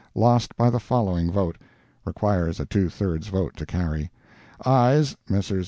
Lost by the following vote (required a two thirds vote to carry): AYES—Messrs.